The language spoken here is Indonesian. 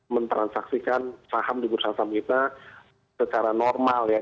men transaksikan saham di bursa efek kita secara normal ya